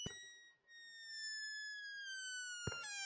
তাই খেলোয়াড়ি জীবনের পাশাপাশি নিজেকে এগিয়ে নিতে হলে জোর দিতে হবে পড়াশোনায়ও।